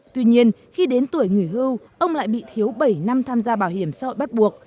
tuy nhiên khi đến tuổi nghỉ hưu ông lại bị thiếu bảy năm tham gia bảo hiểm xã hội bắt buộc